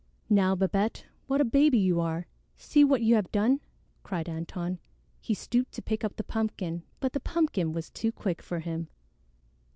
"Now, Babette, what a baby you are! See what you have done!" cried Antone. He stooped to pick up the pumpkin, but the pumpkin was too quick for him.